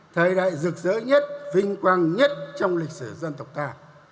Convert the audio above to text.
thời đại rực rỡ nhất vinh quang nhất trong lịch sử dân tộc ta